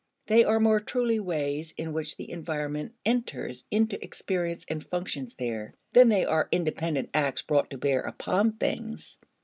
They are more truly ways in which the environment enters into experience and functions there than they are independent acts brought to bear upon things.